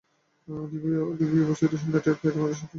রিউ Shu তোমার উপস্থিতি টের পেয়ে তোমার সাথে দেখা করার বায়না ধরলো।